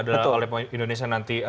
adalah oleh indonesia nanti